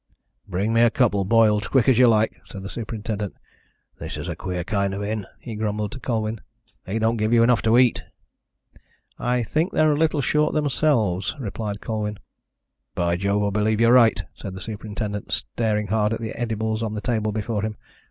"Bring me a couple, boiled, as quick as you like," said the superintendent. "This is a queer kind of inn," he grumbled to Colwyn. "They don't give you enough to eat." "I think they're a little short themselves," replied Colwyn. "By Jove, I believe you're right!" said the superintendent, staring hard at the edibles on the table before him.